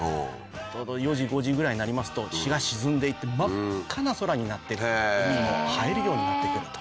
ちょうど４時５時ぐらいになりますと日が沈んでいって真っ赤な空になって海も映えるようになってくると。